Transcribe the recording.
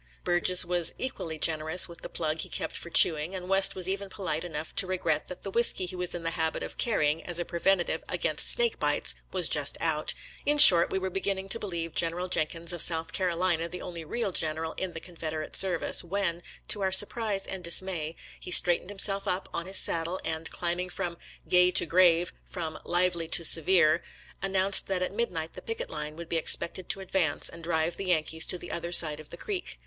Surges was equally generous with the plug he kept for chew ing, and West was even polite enough to regret that the whisky he was in the habit of carrying as a preventive against snake bites was just out ; in short, we were beginning to believe Gen eral Jenkins of South Carolina the only real general in the Confederate service, when, to our surprise and dismay, he straightened himself up on his saddle, and, climbing from " gay to grave, from lively to severe," announced that at mid night the picket line would be expected to ad vance and drive the Yankees to the other side of the creek.